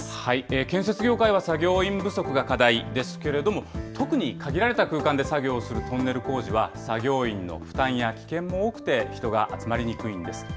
建設業界は、作業員不足が課題ですけれども、特に限られた空間で作業をするトンネル工事は、作業員の負担や危険も多くて、人が集まりにくいんです。